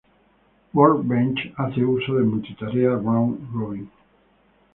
Workbench hace uso de multitarea round robin.